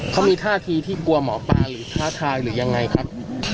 เขามีท่าทีที่กลัวหมอปลาหรือท้าทายหรือยังไงครับ